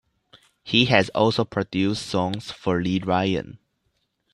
He has also produced songs for Lee Ryan.